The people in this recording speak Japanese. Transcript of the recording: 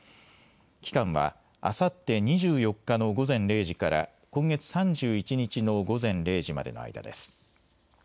期間はあさって２４日の午前０時から今月３１日の午前０時までの間です。